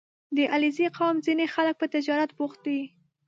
• د علیزي قوم ځینې خلک په تجارت بوخت دي.